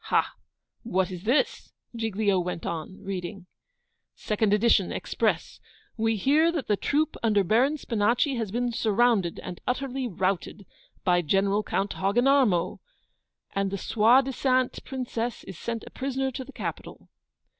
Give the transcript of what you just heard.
'Ha! what is this?' Giglio went on, reading 'SECOND EDITION, EXPRESS. We hear that the troop under Baron Spinachi has been surrounded, and utterly routed, by General Count Hogginarmo, and the soidisant Princess is sent a prisoner to the capital.